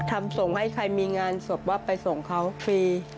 ส่งให้ใครมีงานศพว่าไปส่งเขาฟรี